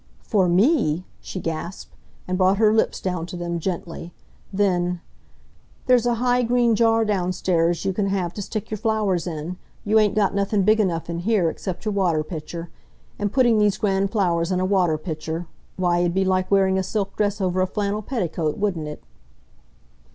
"For me!" she gasped, and brought her lips down to them, gently. Then "There's a high green jar downstairs you can have to stick your flowers in. You ain't got nothin' big enough in here, except your water pitcher. An' putting these grand flowers in a water pitcher why, it'd be like wearing a silk dress over a flannel petticoat, wouldn't it?"